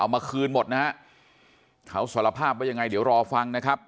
มาคืนหมดนะฮะเขาสารภาพว่ายังไงเดี๋ยวรอฟังนะครับ